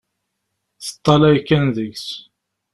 Teṭṭalay kan deg-s.